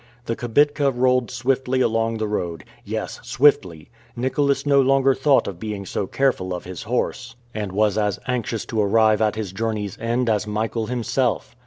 The kibitka rolled swiftly along the road. Yes, swiftly! Nicholas no longer thought of being so careful of his horse, and was as anxious to arrive at his journey's end as Michael himself.